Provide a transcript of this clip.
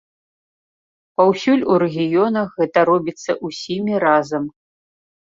Паўсюль у рэгіёнах гэта робіцца ўсімі разам.